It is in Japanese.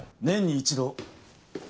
年に一度。